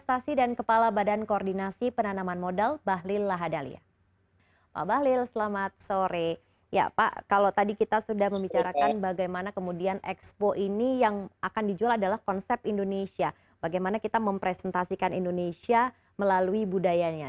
apa yang sudah anda lakukan untuk melakukan perubahan yang lebih baik melalui budayanya